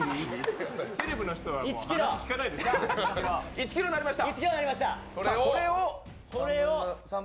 １ｋｇになりました。